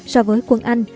so với quân anh